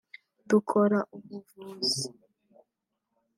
dukora ubuvugizi